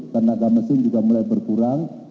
tenaga mesin juga mulai berkurang